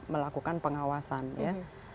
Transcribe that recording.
melakukan pengawasan ya